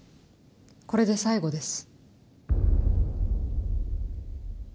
これで最後です。